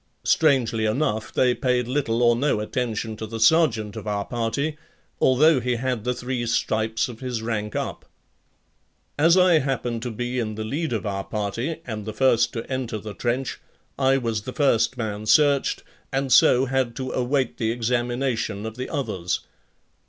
Strangely enough, they paid little or no attention to the sergeant of our party, although he had the three stripes of his rank up. As I happened to be in the lead of our party and the first to enter the trench, I was the first man searched and so had to await the examination of the others.